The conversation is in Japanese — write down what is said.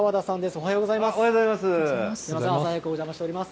おはようございます。